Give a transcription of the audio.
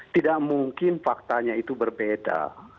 tidak mungkin faktanya itu berbeda